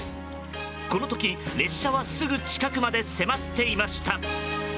この時、列車はすぐ近くまで迫っていました。